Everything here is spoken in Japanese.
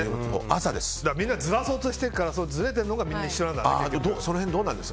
みんなずらそうとするからずれているのがみんな一緒。